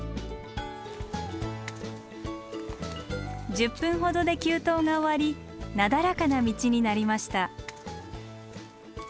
１０分ほどで急登が終わりなだらかな道になりました。